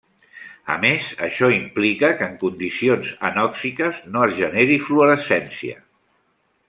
A més, això implica que en condicions anòxiques no es generi fluorescència.